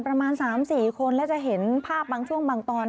ประมาณ๓๔คนแล้วจะเห็นภาพบางช่วงบางตอน